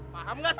paham gak sih